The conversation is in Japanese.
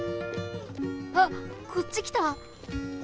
あっこっちきた！